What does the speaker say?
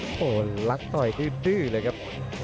โอ้โหลักต่อยคือดื้อเลยครับ